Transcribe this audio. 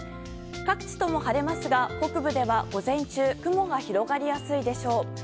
各地とも晴れますが北部では午前中雲が広がりやすいでしょう。